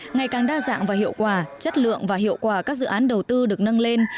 ngày càng đa dạng và hiệu quả chất lượng và hiệu quả các dự án đầu tư được nâng lên